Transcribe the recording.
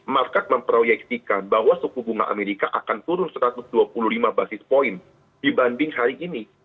market memproyeksikan bahwa suku bunga amerika akan turun satu ratus dua puluh lima basis point dibanding hari ini